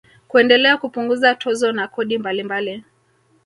Kuendelea kupunguza tozo na kodi mbalimbali